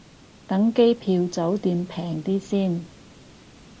等機票酒店平啲先